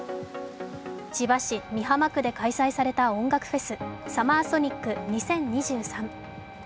千葉市美浜区で開催された音楽フェスＳＵＭＭＥＲＳＯＮＩＣ２０２３。